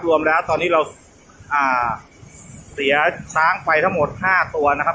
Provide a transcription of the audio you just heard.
รวมแล้วตอนนี้เราเสียช้างไปทั้งหมด๕ตัวนะครับ